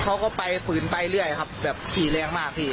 เขาก็ไปฝืนไปเรื่อยครับแบบขี่แรงมากพี่